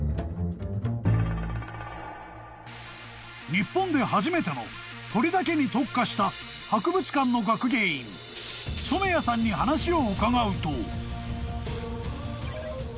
［日本で初めての鳥だけに特化した博物館の学芸員染谷さんに話を伺うと］